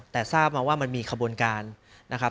แต่ทราบมาว่ามันมีขบวนการนะครับ